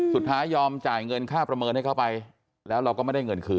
ยอมจ่ายเงินค่าประเมินให้เขาไปแล้วเราก็ไม่ได้เงินคืน